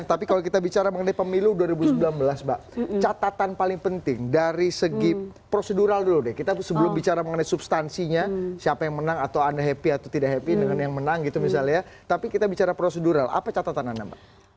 tapi kalau kita bicara mengenai pemilu dua ribu sembilan belas mbak catatan paling penting dari segi prosedural dulu deh kita sebelum bicara mengenai substansinya siapa yang menang atau anda happy atau tidak happy dengan yang menang gitu misalnya tapi kita bicara prosedural apa catatan anda mbak